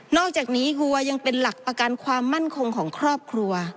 อกจากนี้หัวยังเป็นหลักประกันความมั่นคงของครอบครัว